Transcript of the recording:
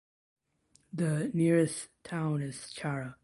The nearest town is Chara.